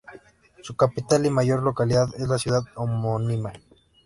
Su capital y mayor localidad es la ciudad homónima.